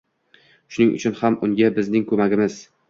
Shuning uchun ham unga bizning ko‘magimiz